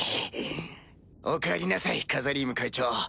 おかえりなさいカザリーム会長。